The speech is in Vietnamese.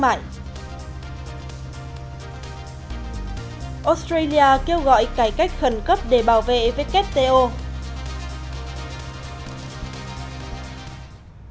vn express marathon quy nhơn hai nghìn một mươi chín cũng được xem là ngày hội của những người yêu thể thao và đam mê du lịch với tổng trị giá giải thưởng bảy trăm tám mươi sáu triệu đồng